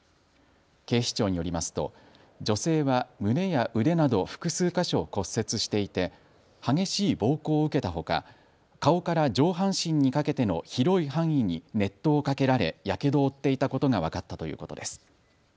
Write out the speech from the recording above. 警視庁によりますと女性は胸や腕など複数箇所を骨折していて激しい暴行を受けたほか顔から上半身にかけての広い範囲に熱湯をかけられやけどを負っていたことが分かったということです。